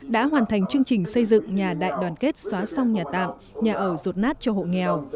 đã hoàn thành chương trình xây dựng nhà đại đoàn kết xóa xong nhà tạm nhà ở rột nát cho hộ nghèo